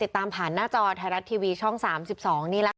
ตามผ่านหน้าจอไทยรัฐทีวีช่อง๓๒นี่แหละค่ะ